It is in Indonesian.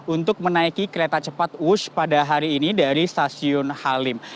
untuk menaiki kereta cepat wush pada hari ini dari stasiun halim